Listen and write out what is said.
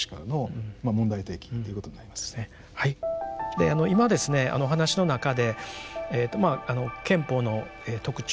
で今ですねお話の中でまあ憲法の特徴